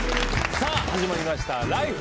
さあ始まりました「ＬＩＦＥ！春」。